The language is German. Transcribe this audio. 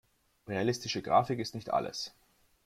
Realistische Grafik ist nicht alles.